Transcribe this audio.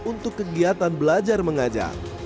untuk kegiatan belajar mengajar